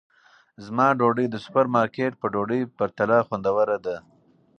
زما ډوډۍ د سوپرمارکېټ په ډوډۍ پرتله خوندوره ده.